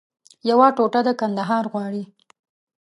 یوه ټوټه د کندهار غواړي